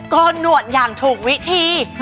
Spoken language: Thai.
ก็หนวดอย่างถูกวิธี